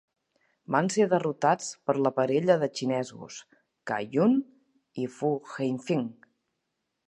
Van ser derrotats per la parella de xinesos, Cai Yun i Fu Haifeng.